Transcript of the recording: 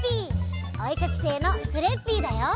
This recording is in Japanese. おえかきせいのクレッピーだよ！